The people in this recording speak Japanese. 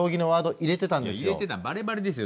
入れてたのバレバレですよ。